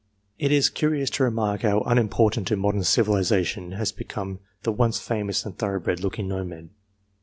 " It is curious to remark how unimportant to modern civilization has become the once famous and thorough bred looking Norman.